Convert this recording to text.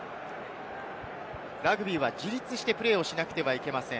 ラグビーは自立してプレーをしなくてはいけません。